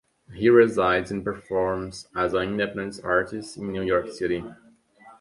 He resides and performs as an independent artist in New York City.